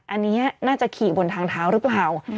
อันนี้น่าจะขี่บนทางเท้าหรือเปล่า